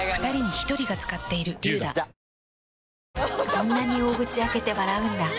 そんなに大口開けて笑うんだ。